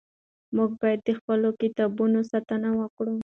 موږ باید د خپلو کتابونو ساتنه وکړو.